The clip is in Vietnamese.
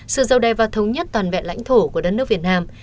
sự giàu đẹp và thống nhất toàn vẹn lãnh thổ của đất nước việt nam